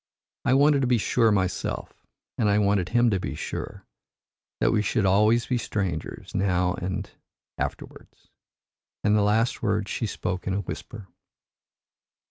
I wanted to be sure myself, and I wanted him to be sure, that we should always be strangers now and and afterwards," and the last words she spoke in a whisper.